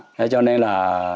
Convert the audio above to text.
thế cho nên là